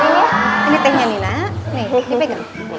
ini tehnya nih nak